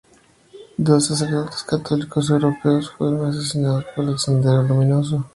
Dos sacerdotes católicos europeos fueron asesinados por Sendero Luminoso.